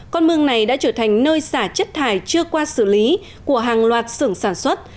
con mương này đã trở thành nơi xả chất thải chưa qua xử lý của hàng loạt xưởng sản xuất